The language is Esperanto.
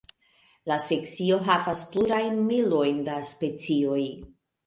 La sekcio havas plurajn milojn da specioj.